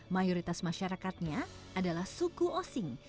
mayoritas masyarakatnya adalah suku osing